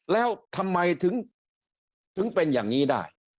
แล้วทำไมถึงเป็นอย่างนี้ได้